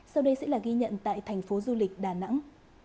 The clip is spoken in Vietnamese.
sau đây sẽ là ghi nhận tại thành phố du lịch đà nẵng